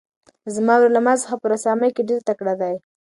زما ورور له ما څخه په رسامۍ کې ډېر تکړه دی.